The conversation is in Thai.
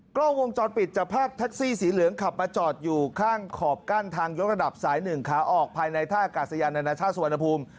กล้องวงจรปิดจับภาพแท็กซี่สีเหลืองขับมาจอดอยู่ข้างขอบกั้นทางยกระดับสาย๑ขาออกภายในท่ากาศยานานาชาติสุวรรณภูมิ